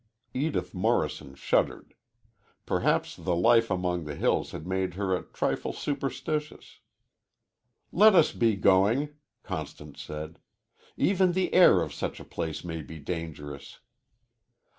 Edith Morrison shuddered. Perhaps the life among the hills had made her a trifle superstitious. "Let us be going," Constance said. "Even the air of such a place may be dangerous."